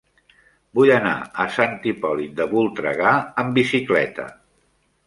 Vull anar a Sant Hipòlit de Voltregà amb bicicleta.